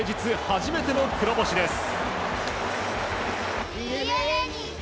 初めての黒星です。